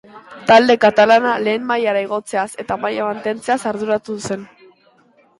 Talde katalana lehen mailara igotzeaz eta maila mantentzeaz arduratu zen.